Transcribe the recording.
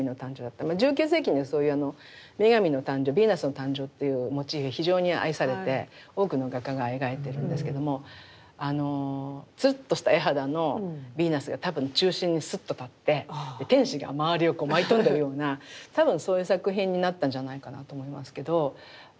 １９世紀にそういう女神の誕生ヴィーナスの誕生というモチーフは非常に愛されて多くの画家が描いてるんですけどもつるっとした絵肌のヴィーナスが多分中心にすっと立って天使が周りを舞い飛んでるような多分そういう作品になったんじゃないかなと思いますけど。